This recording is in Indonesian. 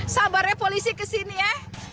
sabarnya polisi kesini ya